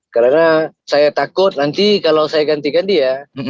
karena saya takut nanti kalau saya gantikan dia